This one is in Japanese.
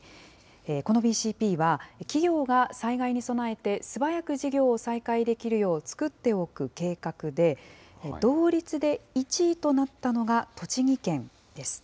このＢＣＰは、企業が災害に備えて素早く事業を再開できるよう作っておく計画で、同率で１位となったのが栃木県です。